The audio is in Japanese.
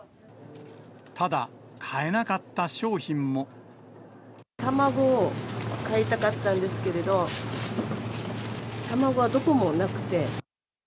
ただ、卵、買いたかったんですけれど、卵はどこもなくて。